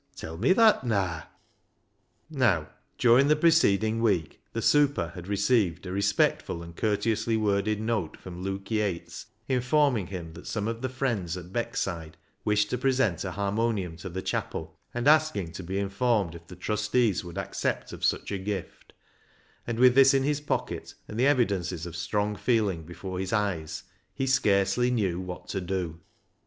Tell me that naa ?" Now, during the preceding week, the super had received a respectful and courteously 350 BECKSIDE LIGHTS worded note from Luke Yates, informing him that some of the friends at Beckside wished to present a harmonium to the chapel, and asking to be informed if the trustees would accept of such a gift ; and, with this in his pocket, and the evidences of strong feeling before his eyes, he scarcely knew what to do.